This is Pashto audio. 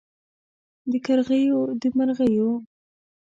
د کرغیو د مرغیو